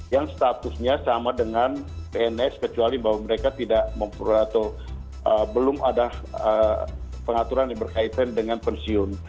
yang statusnya sama dengan pns kecuali bahwa mereka belum ada pengaturan yang berkaitan dengan pensiun